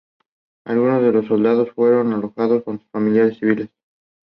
Vaishnav College for Women in Chennai.